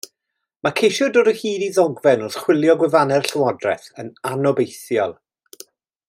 Mae ceisio dod o hyd i ddogfen wrth chwilio gwefannau'r Llywodraeth yn anobeithiol.